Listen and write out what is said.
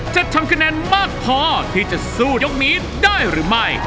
จะทำคะแนนมากพอที่จะสู้ยกนี้ได้หรือไม่